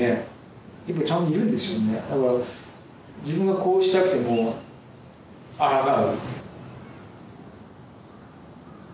だから自分がこうしたくても抗う。